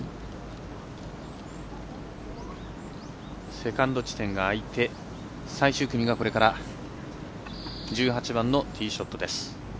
セカンド地点が空いて最終組がこれから１８番のティーショットです。